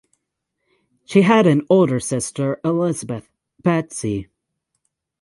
She had an older sister Elizabeth (Betsy).